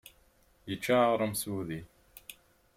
Yečča aɣrum s wudi.